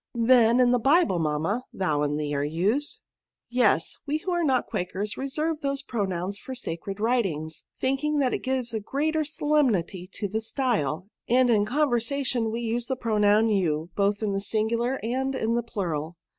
Then^ in the Bible^ mamma, thou and thee are used*" Yes ; we who are not Quakers^ reserve those pronouns for sacred writings, thinking that it gives a greater solemnity to the style ; and in conversation we use the pronoun you, both in the singular and in the plural.